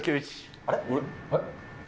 あれ？